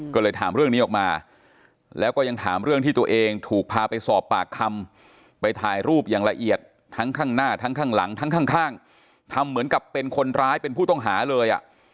ก็เลยถามเรื่องนี้ออกมาแล้วก็ยังถามเรื่องที่ตัวเองถูกพาไปสอบปากคำไปถ่ายรูปอย่างละเอียดทั้งข้างหน้าทั้งข้างหลังทั้งข้างทำเหมือนกับเป็นคนร้ายเป็นผู้ต้องหาเลย